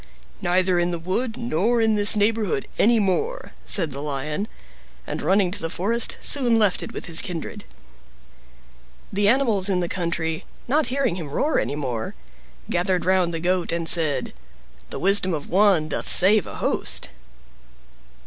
"Neither in the wood nor in this neighborhood any more," said the Lion, and running to the forest, soon left it with his kindred. The animals in the country, not hearing him roar any more, gathered round the Goat, and said, "The wisdom of one doth save a host."